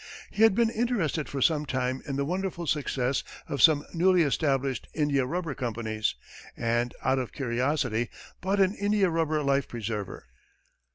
He had been interested for some time in the wonderful success of some newly established India rubber companies, and, out of curiosity, bought an India rubber life preserver.